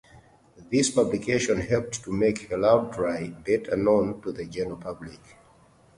This publication helped to make heraldry better known to the general public.